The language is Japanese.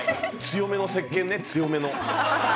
強めのせっけんね強めの。